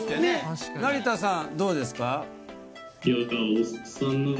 成田さんどうですか？